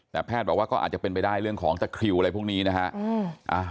แต่แพทย์บอกว่าก็อาจจะเป็นไปได้เรื่องของตะคริวอะไรพวกนี้นะฮะ